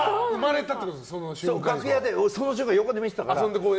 俺は楽屋でその瞬間、横で見てたから。